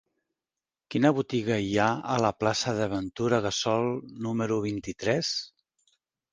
Quina botiga hi ha a la plaça de Ventura Gassol número vint-i-tres?